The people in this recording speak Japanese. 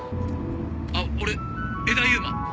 「あっ俺江田悠馬」